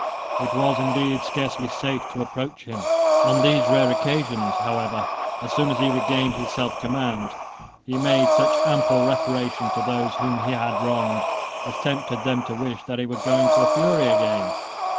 It was indeed scarcely safe to approach him. On these rare occasions, however, as soon as he regained his self command, he made such ample reparation to those whom he had wronged as tempted them to wish that he would go into a fury again.